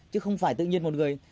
chứ không phải tự nhiên một người